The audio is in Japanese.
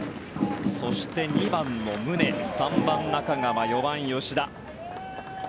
そして２番の宗３番、中川４番、吉田。